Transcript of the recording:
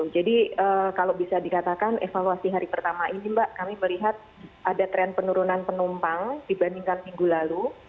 jadi kalau bisa dikatakan evaluasi hari pertama ini mbak kami melihat ada tren penurunan penumpang dibandingkan minggu lalu